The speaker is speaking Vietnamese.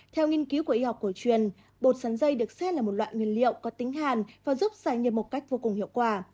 theo nghiên cứu của y học cổ truyền bột sắn dây được xem là một loại nguyên liệu có tính hàn và giúp giải nhiệt một cách vô cùng hiệu quả